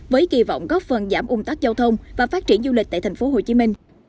với kỳ vọng góp phần giảm ung tắc giao thông và phát triển du lịch tại tp hcm